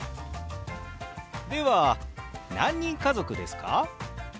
では何人家族ですか？